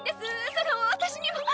その私にも。